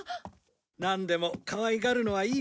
なんでもかわいがるのはいいことだ。